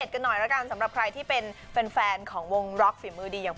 กันหน่อยแล้วกันสำหรับใครที่เป็นแฟนของวงล็อกฝีมือดีอย่าง